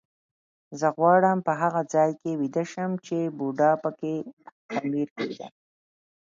زه غواړم په هغه ځای کې ویده شم چې بوډا به پکې خمیر کېده.